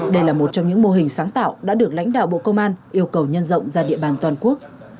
đây là một trong những mô hình sáng tạo đã được lãnh đạo bộ công an yêu cầu nhân rộng ra địa bàn toàn quốc